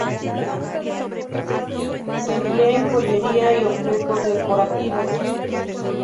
Se emplea en joyería y objetos decorativos.